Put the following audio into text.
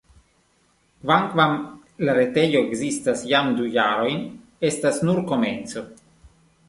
Kvankam la retejo ekzistas jam du jarojn, estas nur komenco.